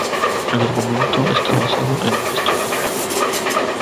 El argumento está basado en una historia real.